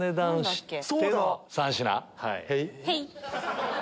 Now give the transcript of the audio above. へい。